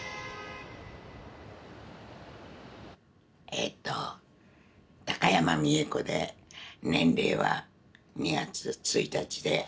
えっと高山美恵子で年齢は２月１日で８１歳。